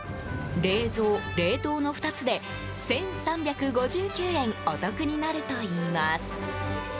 冷蔵、冷凍の２つで１３５９円お得になるといいます。